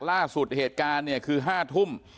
ล่าสุดเหตุการณ์คือห้าทุ่ม